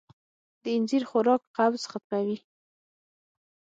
د اینځر خوراک قبض ختموي.